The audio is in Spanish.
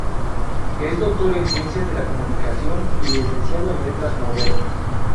Es Doctor en Ciencias de la Comunicación y Licenciado en Letras Modernas.